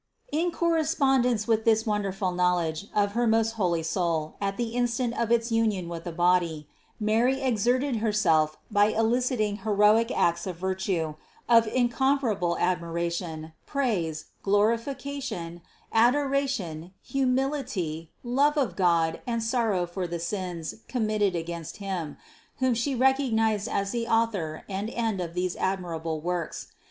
231. In correspondence with this wonderful knowl edge of her most holy soul at the instant of its union with the body, Mary exerted Herself by eliciting heroic acts of virtue, of incomparable admiration, praise, glori fication, adoration, humility, love of God and sorrow for the sins committed against Him, whom She recognized as the Author and end of these admirable works.